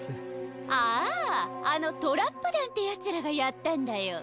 あああのトラップだんってヤツらがやったんだよ。